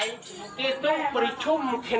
อันโชคเราอ้างทรัพย์บ้านกลบก่อน